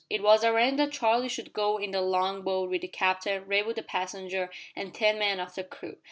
It was arranged that Charlie should go in the long boat with the captain, Raywood the passenger, and ten men of the crew.